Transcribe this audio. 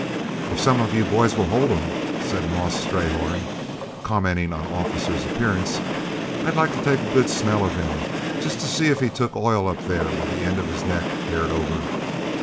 "If some of you boys will hold him," said Moss Strayhorn, commenting on Officer's appearance, "I'd like to take a good smell of him, just to see if he took oil up there where the end of his neck's haired over."